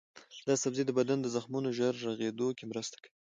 دا سبزی د بدن د زخمونو ژر رغیدو کې مرسته کوي.